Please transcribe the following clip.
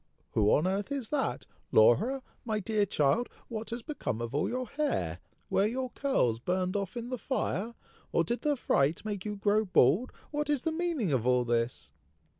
who on earth is that! Laura! my dear child! what has become of all your hair? Were your curls burned off in the fire? or did the fright make you grow bald? What is the meaning of all this?"